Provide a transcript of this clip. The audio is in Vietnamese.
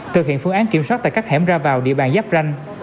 thực hiện phương án kiểm soát tại các hẻm ra vào địa bàn giáp ranh